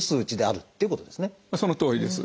そのとおりです。